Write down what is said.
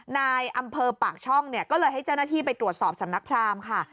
นายอำเภอปากช่องเนี่ยก็เลยให้เจ้าหน้าที่ไปตรวจสอบสำนักพรามค่ะ